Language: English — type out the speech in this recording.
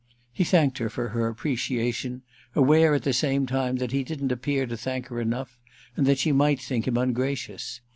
He thanked her for her appreciation—aware at the same time that he didn't appear to thank her enough and that she might think him ungracious.